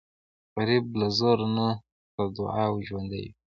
غریب له زوره نه، له دعاو ژوندی وي